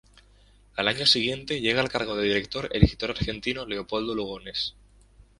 Al año siguiente, llega al cargo de director el escritor argentino Leopoldo Lugones.